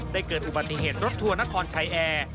เกิดอุบัติเหตุรถทัวร์นครชัยแอร์